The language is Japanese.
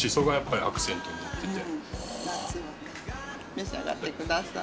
召し上がってください。